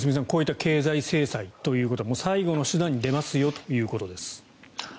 こういった経済制裁ということ最後の手段に出ますよということです。